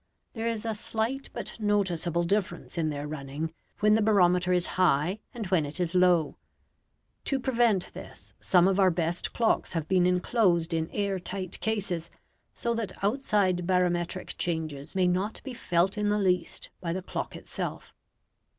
There is a slight but noticeable difference in their running when the barometer is high and when it is low. To prevent this, some of our best clocks have been enclosed in air tight cases, so that outside barometric changes may not be felt in the least by the clock itself.